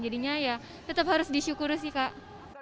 jadinya ya tetap harus disyukur sih kak